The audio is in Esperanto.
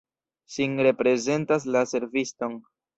Sin reprezentas la serviston.